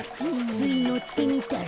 ついのってみたら。